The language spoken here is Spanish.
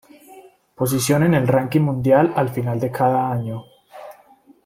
Posición en el ranking mundial al final de cada año.